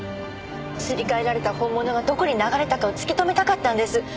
すり替えられた本物がどこに流れたかを突き止めたかったんです。